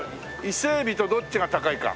イセエビとどっちが高いか。